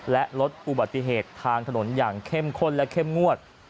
และลดอุบัติเหตุทางถนนอย่างเข้มข้นและเข้มงวด